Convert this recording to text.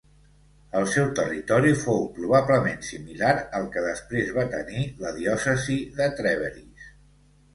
El seu territori fou probablement similar al que després va tenir la diòcesi de Trèveris.